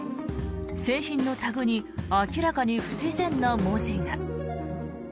製品のタグに明らかに不自然な文字が。